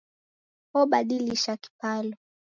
Obadilisha kipalo